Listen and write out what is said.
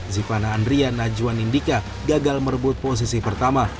zivana andria najwan indika gagal merebut posisi pertama